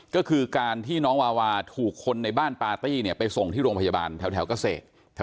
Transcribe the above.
ก็คือการที่น้องวาวาถูกคนในบ้านปาร์ตี้เนี่ยไปส่งที่โรงพยาบาลแถวเกษตร